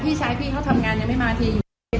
พี่ชายพี่เขาทำงานยังไม่มาที